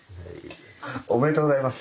おめでとうございます。